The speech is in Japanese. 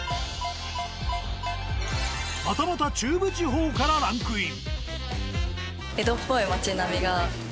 またまた中部地方からランクイン。